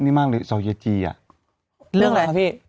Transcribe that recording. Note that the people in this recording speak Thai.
ผมไม่เอียด